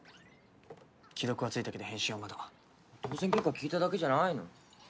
既読はついたけど返信はまだ当選結果聞いただけじゃないの？